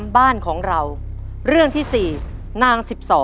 บ้านของเราค่ะ